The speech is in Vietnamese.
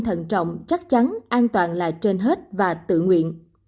thận trọng chắc chắn an toàn là trên hết và tự nguyện